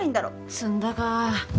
詰んだか。